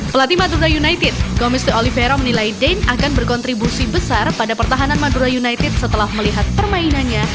pelatih madura united gomisto olivera menilai dane akan berkontribusi besar pada pertahanan madura united setelah melihat permainannya